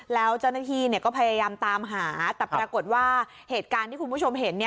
แล้วเจ้าหน้าที่ก็พยายามตามหาแต่ปรากฏว่าเหตุการณ์ที่คุณผู้ชมเห็น